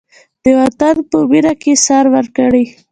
د وطن په مینه کې سر ورکړئ.